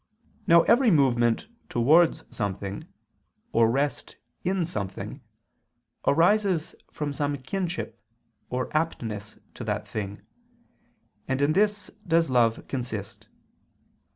Now every movement towards something, or rest in something, arises from some kinship or aptness to that thing; and in this does love consist.